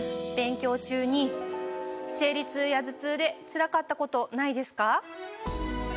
勉強中に生理痛や頭痛でつらかったことないですか？